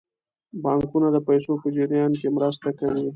بانکونه د پیسو په جریان کې مرسته کوي.